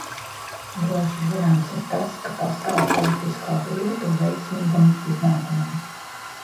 Droši zināms ir tas, ka pastāv politiskā griba to veiksmīgam iznākumam.